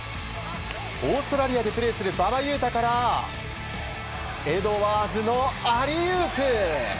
オーストラリアでプレーする馬場雄大からエドワーズのアリウープ。